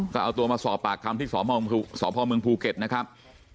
ก็เอาตัวมาสอบปากคำที่สพเมืองภูเก็ตนะครับ